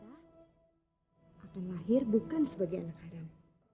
akan lahir bukan sebagai anak haram